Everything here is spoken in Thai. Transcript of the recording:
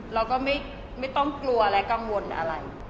เราก็ไม่ต้องกลัวและกังวลอะไร